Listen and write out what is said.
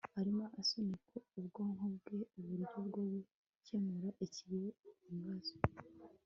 arimo asunika ubwonko bwe uburyo bwo gukemura iki kibazo